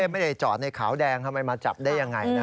ไม่ได้จอดในขาวแดงทำไมมาจับได้ยังไงนะ